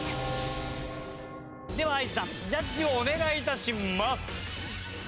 ではＩＧさんジャッジをお願い致します。